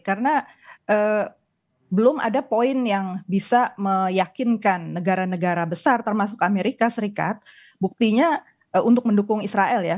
karena belum ada poin yang bisa meyakinkan negara negara besar termasuk amerika serikat buktinya untuk mendukung israel ya